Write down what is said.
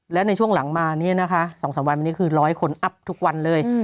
และในช่วงหลังมาเนี่ยนะคะ๒๓วันวันนี้คือ๑๐๐คนอัพทุกวันเลย